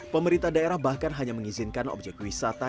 pemerintah daerah bahkan hanya mengizinkan objek wisata